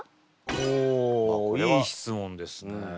おいい質問ですね。